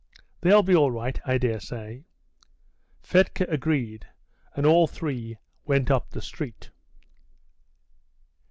"They'll be all right, I dare say." Fedka agreed, and all three went up the street.